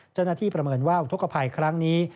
เจ้าหน้าที่ประเมินว่าอุทธกภัยครั้งนี้